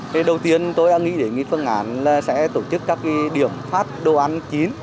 thì đầu tiên tôi đã nghĩ đến nghị phương án là sẽ tổ chức các cái điểm phát đồ ăn chín